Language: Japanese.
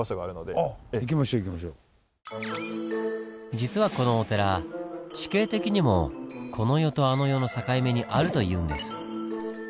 実はこのお寺地形的にもこの世とあの世の境目にあるというんです。